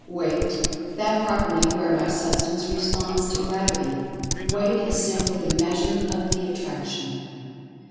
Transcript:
Weight: That property whereby Substance responds to Gravity. Weight is simply the measure of the attraction.